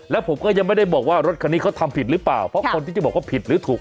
แล้วผมก็ยังไม่ได้บอกว่ารถคันนี้เขาทำผิดหรือเปล่าเพราะคนที่จะบอกว่าผิดหรือถูก